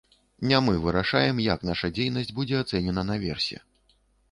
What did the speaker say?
Не мы вырашаем, як наша дзейнасць будзе ацэнена наверсе.